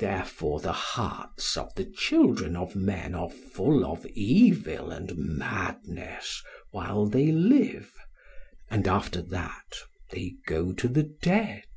Therefore the hearts of the children of men are full of evil and madness while they live, and after that they go to the dead.